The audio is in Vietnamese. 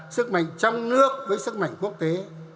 sức mạnh trong nước với sức mạnh quốc tế